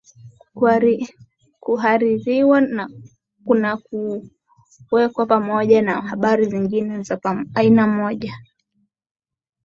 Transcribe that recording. Kuhaririwa kna kuwekwa pampja na habari zingine za aina moja